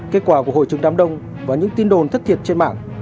kết quả của hội chứng đám đông và những tin đồn thất thiệt trên mạng